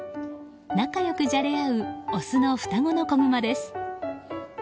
仲良くじゃれ合うオスの双子の子グマです。